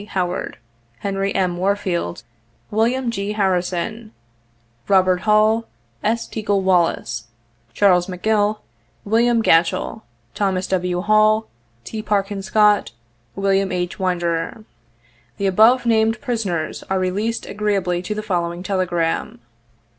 Howard, " Henry M. Warfield, " William G. Harrison, " Robert Hull, " S. Teackle Wallis, 1 ' Charles Macgill, " William Gatchell, " Thomas W. Hall, "T, Parkin Scott, " William II . Winder. " The above named prisoners are released agreeably to the following telegram.